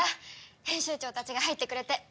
編集長たちが入ってくれて。